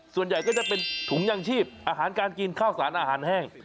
ส่วนใหญ่ก็จะเป็นถุงยังชีพอาหารการกินข้าวสารอาหารแห้ง